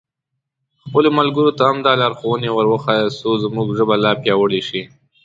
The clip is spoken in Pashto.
خپلو ملګرو ته هم دا لارښوونې ور وښیاست څو زموږ ژبه لا پیاوړې شي.